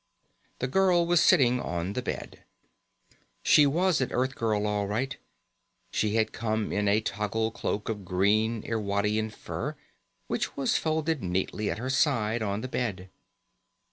The girl was sitting on the bed. She was an Earthgirl, all right. She had come in a toggle cloak of green Irwadian fur, which was folded neatly at her side on the bed.